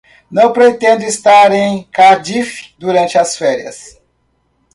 Não pretendo estar em Cardiff durante as férias.